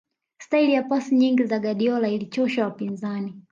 staili ya pasi nyingi za guardiola ilichosha wapinzani